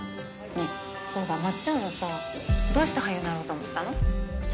ねえそうだまっちゃんはさどうして俳優になろうと思ったの？